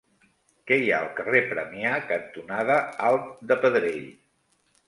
Què hi ha al carrer Premià cantonada Alt de Pedrell?